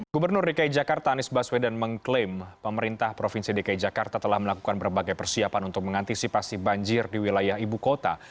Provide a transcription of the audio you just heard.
gubernur dki jakarta anies baswedan mengklaim pemerintah provinsi dki jakarta telah melakukan berbagai persiapan untuk mengantisipasi banjir di wilayah ibu kota